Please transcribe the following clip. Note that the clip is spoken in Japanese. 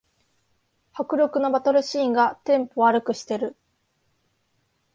迫力のバトルシーンがテンポ悪くしてる